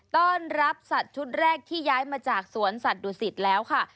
ต้อนรับสัตว์ชุดแรกที่ย้ายมาจากสวนสัตวศิษฐ์แล้วค่ะ